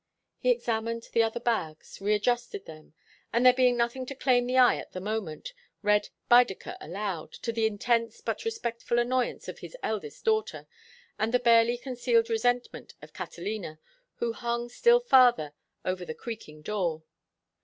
He examined the other bags, readjusted them, and there being nothing to claim the eye at the moment, read Baedeker aloud, to the intense but respectful annoyance of his eldest daughter and the barely concealed resentment of Catalina, who hung still farther over the creaking door.